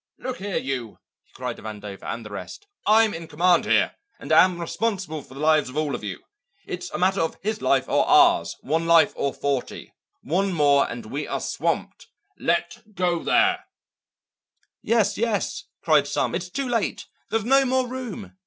"Look here, you!" he cried to Vandover and the rest. "I'm in command here and am responsible for the lives of all of you. It's a matter of his life or ours; one life or forty. One more and we are swamped. Let go there!" "Yes, yes," cried some. "It's too late! there's no more room!"